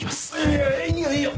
いやいいよいいよ！